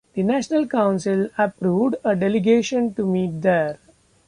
The National Council approved a delegation to meet there.